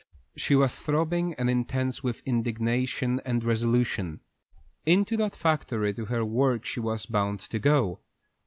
She was throbbing and intense with indignation and resolution. Into that factory to her work she was bound to go.